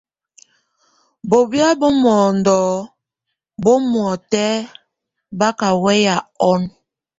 Bobía bo mondo bɛmuɛtɛ báka bó wey ɔn.